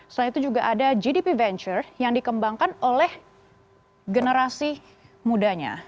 selain itu juga ada gdp venture yang dikembangkan oleh generasi mudanya